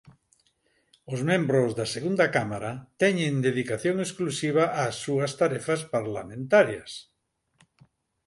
Os membros da Segunda Cámara teñen dedicación exclusiva ás súas tarefas parlamentarias.